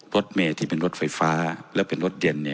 รถเมย์ที่เป็นรถไฟฟ้าและเป็นรถเย็น